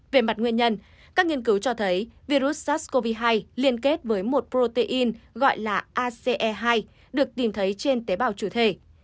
về mặt nguyên nhân các nghiên cứu cho thấy virus sars cov hai liên kết với một protein gọi là ace hai được tìm thấy trên tế bào chủ thể